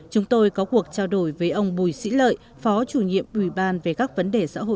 chúng tôi có cuộc trận